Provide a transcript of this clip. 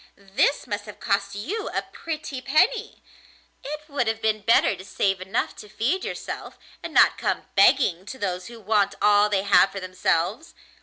This must have cost you a pretty penny! It would have been better to save enough to feed yourself, and not come begging to those who want all they have for themselves.